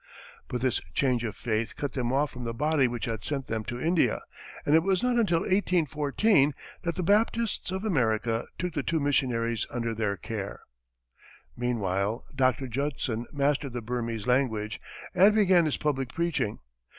But this change of faith cut them off from the body which had sent them to India, and it was not until 1814 that the Baptists of America took the two missionaries under their care. Meanwhile, Dr. Judson mastered the Burmese language and began his public preaching.